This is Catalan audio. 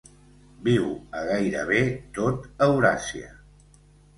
Viu a gairebé tot Euràsia.